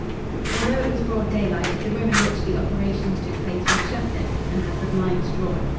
Although it was broad daylight, the room in which the operations took place was shuttered and had the blinds drawn.